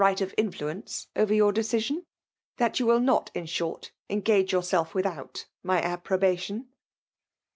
riglkt of influence over your d^oision^ rtii^l you will not, in thort^ engage yourself ^wiih^ut my approbation